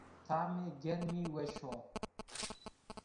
Tehmê germî weş o